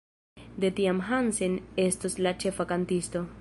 De tiam Hansen estos la ĉefa kantisto.